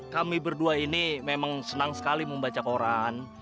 kami berdua ini memang senang sekali membaca koran